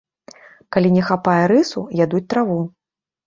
Калі не хапае рысу, ядуць траву.